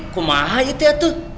kok mahal gitu ya tuh